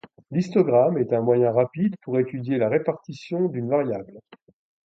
L’histogramme est un moyen rapide pour étudier la répartition d’une variable.